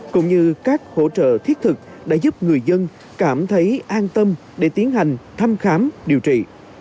cũng như các hỗ trợ thiết thực đã giúp người dân cảm thấy an tâm để tiến hành thăm khám điều trị